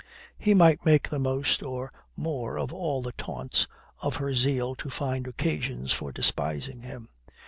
He might make the most or more of all the taunts, of her zeal to find occasions for despising him.